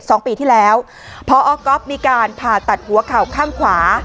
สองปีที่แล้วพอก๊อฟมีการผ่าตัดหัวเข่าข้างขวา